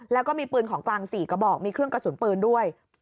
แล้วก็มีปืนของกลาง๔กระบอกมีเครื่องกระสุนปืนด้วย